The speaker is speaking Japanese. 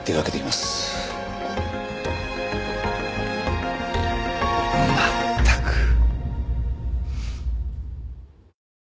まったく。